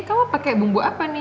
kamu pakai bumbu apa nih